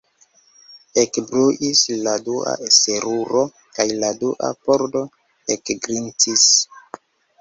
Ekbruis la dua seruro, kaj la dua pordo ekgrincis.